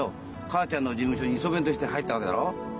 かあちゃんの事務所にイソ弁として入ったわけだろう。